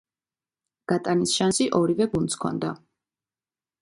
გატანის შანსი ორივე გუნდს ჰქონდა.